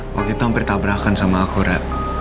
waktu itu hampir tabrakan sama aku ra